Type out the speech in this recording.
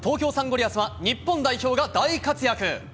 リアスは、日本代表が大活躍。